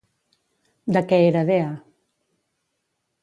De què era dea?